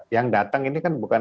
yang datang ini kan bukan